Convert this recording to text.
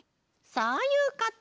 そういうこと！